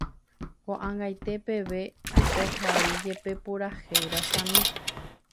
Koʼag̃aite peve ohaijepe purahéi rasami.